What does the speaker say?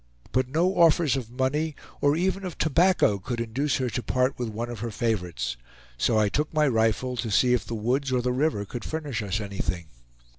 But no offers of money, or even of tobacco, could induce her to part with one of her favorites; so I took my rifle, to see if the woods or the river could furnish us anything.